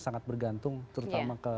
sangat bergantung terutama ke